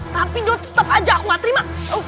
tapi dut tetap aja aku gak terima